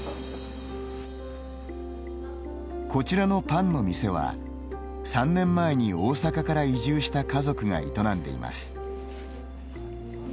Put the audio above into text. こちらのパンの店は３年前に大阪から移住した家族が営んでいます。